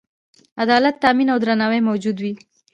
عدالت تأمین او درناوی موجود وي.